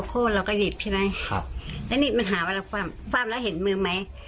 โค้นเราก็หยิบใช่ไหมครับแล้วนี่มันหาว่าเราคว่ำแล้วเห็นมือไหม